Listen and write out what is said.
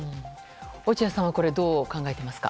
落合さんは、これどう考えていますか。